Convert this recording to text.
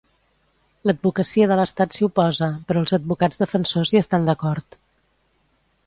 L'Advocacia de l'Estat s'hi oposa, però els advocats defensors hi estan d'acord.